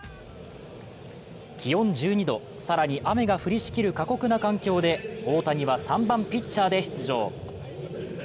気温１２度、更に雨が降りしきる過酷な環境で大谷は３番・ピッチャーで出場。